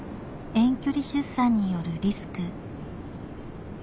遠距離出産によるリスク